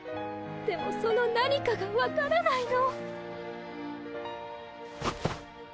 でもその何かが分からないの。